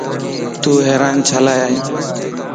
تون حيران ڇيلاٿين؟